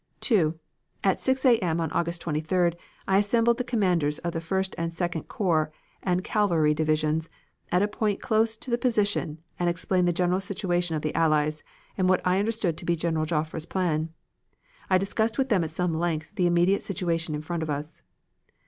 "2. At 6 A. M., on August 23d, I assembled the commanders of the First and Second Corps and cavalry division at a point close to the position and explained the general situation of the Allies, and what I understood to be General Joffre's plan. I discussed with them at some length the immediate situation in front of us.